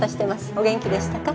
お元気でしたか？